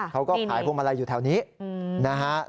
เขาก็ขายพวงมาลัยอยู่แถวนี้นะฮะ